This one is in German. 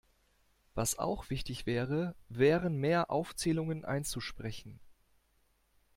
Was auch wichtig wäre, wären mehr Aufzählungen einzusprechen.